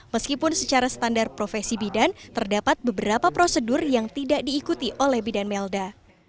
meskipun secara standar profesi bidan terdapat beberapa prosedur yang tidak diikuti oleh bidan melda